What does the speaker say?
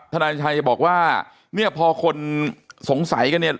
นายชัยบอกว่าเนี่ยพอคนสงสัยกันเนี่ย